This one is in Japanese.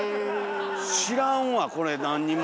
知らんわこれ何にも。